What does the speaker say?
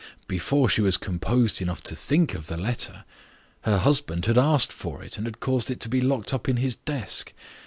"Before she was composed enough to think of the letter, her husband had asked for it, and had caused it to be locked up in his desk.